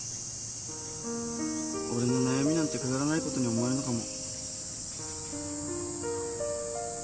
俺の悩みなんてくだらないことに思えるのかも。